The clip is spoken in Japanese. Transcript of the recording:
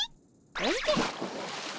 おじゃっ。